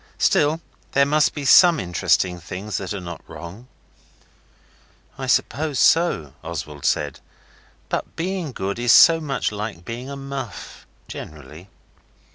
Still, there must be SOME interesting things that are not wrong.' 'I suppose so,' Oswald said, 'but being good is so much like being a muff, generally.